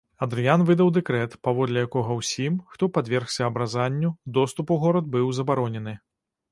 Адрыян выдаў дэкрэт, паводле якога ўсім, хто падвергся абразанню, доступ у горад быў забаронены.